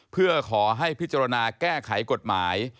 เพื่อขอให้พิจารณาแก้ไขกฎหมาย